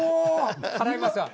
払いますわ。